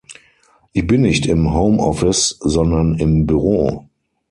Ich bin nicht im Homeoffice, sondern im Büro.